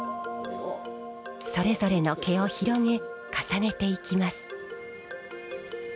それぞれの毛を広げ重ねていきます。